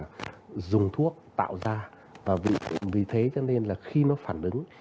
chúng ta phải dùng thuốc tạo ra và vì thế cho nên là khi nó phản ứng